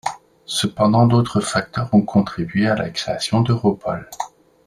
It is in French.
Cependant d'autres facteurs ont contribué à la création d'Europol.